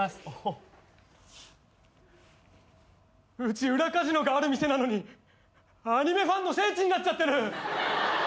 うち裏カジノがある店なのにアニメファンの聖地になっちゃってる。